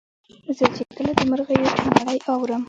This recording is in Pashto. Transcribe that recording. زه چي کله د مرغیو چوڼاری اورم